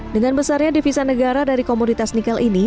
dengan besarnya divisa negara dari komunitas nikel ini